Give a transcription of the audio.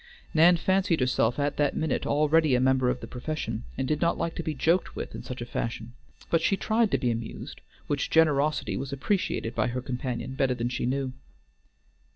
Nan fancied herself at that minute already a member of the profession, and did not like to be joked with in such a fashion, but she tried to be amused, which generosity was appreciated by her companion better than she knew.